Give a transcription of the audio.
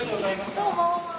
どうも。